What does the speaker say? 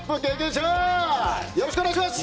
よろしくお願いします！